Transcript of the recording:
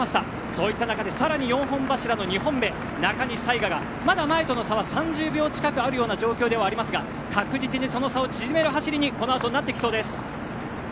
そういった中で更に４本柱の２本目中西大翔がまだ前との差は３０秒近くある状況ですが確実にその差を縮める走りにこのあとなっていきそうです。